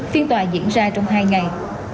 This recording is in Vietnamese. phiên tòa diễn ra trong hai ngày